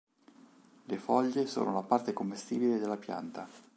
Le foglie sono la parte commestibile della pianta.